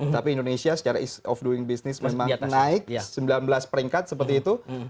tapi indonesia secara east of doing business memang naik sembilan belas peringkat seperti itu